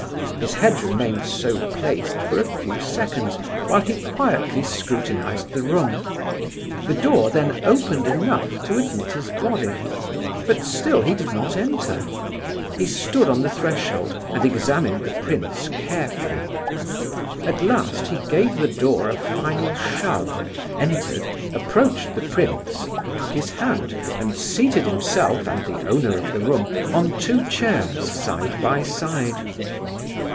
His head remained so placed for a few seconds while he quietly scrutinized the room; the door then opened enough to admit his body; but still he did not enter. He stood on the threshold and examined the prince carefully. At last he gave the door a final shove, entered, approached the prince, took his hand and seated himself and the owner of the room on two chairs side by side.